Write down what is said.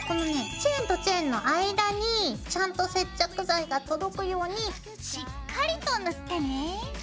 チェーンとチェーンの間にちゃんと接着剤が届くようにしっかりと塗ってね。